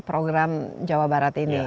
program jawa barat ini